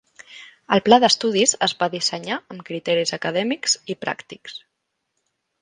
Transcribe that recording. El pla d'estudis es va dissenyar amb criteris acadèmics i pràctics.